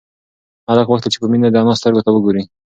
هلک غوښتل چې په مينه د انا سترگو ته وگوري.